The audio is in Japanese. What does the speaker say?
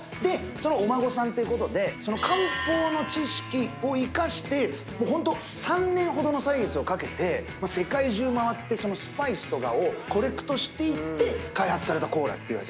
そのお孫さんってことで漢方の知識を生かしてホント３年ほどの歳月をかけて世界中回ってスパイスとかをコレクトしていって開発されたコーラと。